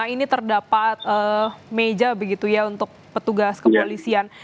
ini terdapat meja untuk petugas kepolisian